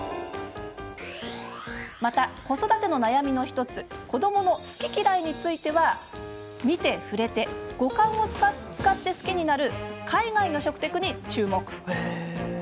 また、子育ての悩みの１つ子どもの好き嫌いについては見て、触れて五感を使って好きになる海外の食テクに注目。